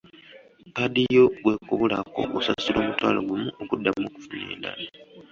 Kkaadi yo bw'ekubulako osasula omutwalo gumu okuddamu okufuna endala.